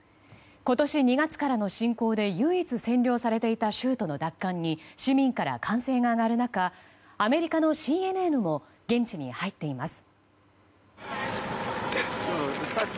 今年２月からの侵攻で唯一、占領されていた州都の奪還に市民から歓声が上がる中アメリカのＣＮＮも現地に入っています。